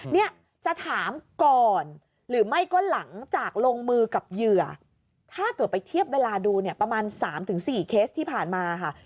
เนี่ยจะถามก่อนหรือไม่ก็หลังจากลงมือกับเหยื่อถ้าเกิดไปเทียบเวลาดูเนี่ยประมาณ๓๔เคสที่ผ่านมาค่ะ